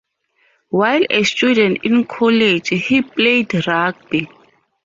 While a student in college, he played rugby.